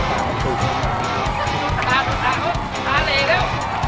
ตาตาเหล่า